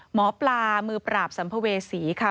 หมอปลามือปราบสัมภเวษีค่ะ